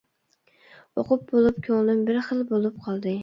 ئوقۇپ بولۇپ كۆڭلۈم بىر خىل بولۇپ قالدى.